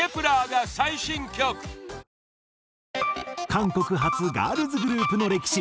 韓国発ガールズグループの歴史。